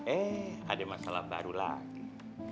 eh ada masalah baru lagi